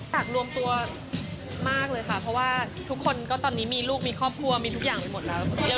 รวมตัวมากเลยค่ะเพราะว่าทุกคนก็ตอนนี้มีลูกมีครอบครัวมีทุกอย่างไปหมดแล้ว